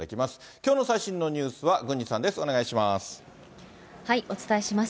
きょうの最新のニュースは郡司さんです、お願いします。